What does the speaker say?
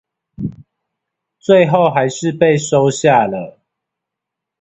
最後還是被收下了